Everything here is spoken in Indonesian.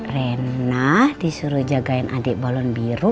rena disuruh jagain adik balon biru